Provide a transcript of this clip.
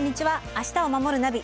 「明日をまもるナビ」